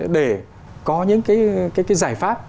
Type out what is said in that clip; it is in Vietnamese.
để có những cái giải pháp